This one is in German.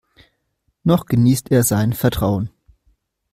Noch genießt er sein Vertrauen.